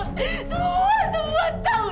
semua semua tahu